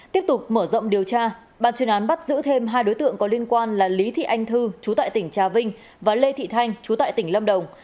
tiếp tục mở rộng điều tra ban chuyên án bắt giữ thêm hai đối tượng có liên quan là lý thị anh thư chú tại tỉnh trà vinh và lê thị thanh chú tại tỉnh lâm đồng